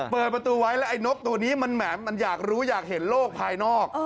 เปิดประตูไว้แล้วไอ้นกตัวนี้มันแหมมันอยากรู้อยากเห็นโลกภายนอก